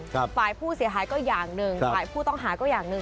ฝ่ายผู้เสียหายก็อย่างหนึ่งฝ่ายผู้ต้องหาก็อย่างหนึ่ง